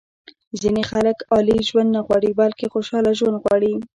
ځینې خلک عالي ژوند نه غواړي بلکې خوشاله ژوند غواړي.